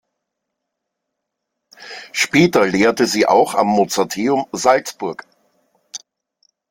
Später lehrte sie auch am Mozarteum Salzburg.